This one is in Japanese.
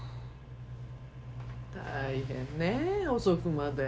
大変ねぇ遅くまで。